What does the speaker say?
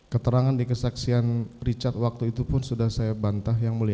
keterangan di kesaksian richard waktu itu pun sudah saya bantah yang mulia